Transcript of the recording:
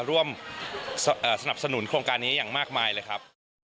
ร่วมสนับสนุนโครงการนี้อย่างมากมายเลยครับ